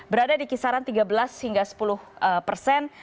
berada di kisaran tiga belas hingga sepuluh persen